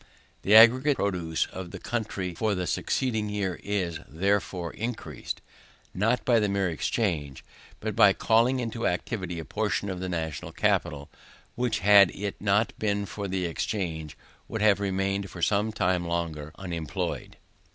The aggregate produce of the country for the succeeding year is, therefore, increased; not by the mere exchange, but by calling into activity a portion of the national capital, which, had it not been for the exchange, would have remained for some time longer unemployed.